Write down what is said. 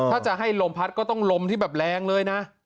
ถ้าจะให้ลมพัดก็ต้องลมที่แบบแรงเลยนะ